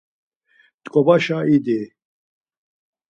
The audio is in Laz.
T̆ǩobaşa idi.